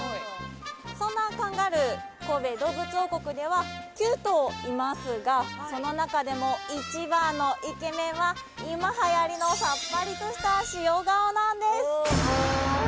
そんなカンガルー神戸どうぶつ王国では９頭いますがその中でも一番のイケメンは今はやりのなんです